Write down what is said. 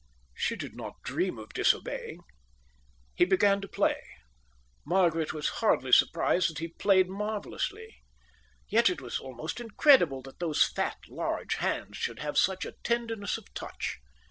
She did not dream of disobeying. He began to play. Margaret was hardly surprised that he played marvellously. Yet it was almost incredible that those fat, large hands should have such a tenderness of touch.